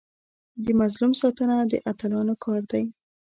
د مظلوم ساتنه د اتلانو کار دی.